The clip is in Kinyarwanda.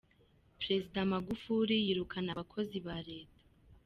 Perezida Magufuli yirukana Abakozi ba Leta